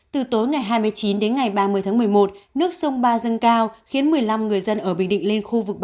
từ tối ngày hai mươi chín đến ngày ba mươi tháng một mươi một nước sông ba dâng cao khiến một mươi năm người dân ở bình định lên khu vực